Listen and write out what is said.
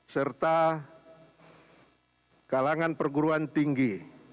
serta kalangan perguruan tinggi